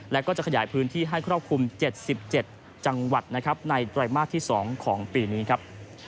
และก็จะขยายพื้นที่ให้ครอบคลุม๗๗จังหวัดนะครับในไตรมาสที่๒ของปีนี้ครับ